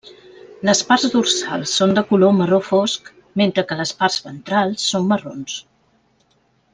Les parts dorsals són de color marró fosc, mentre que les parts ventrals són marrons.